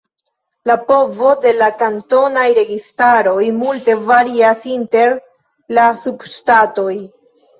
La povoj de la kantonaj registaroj multe varias inter la subŝtatoj.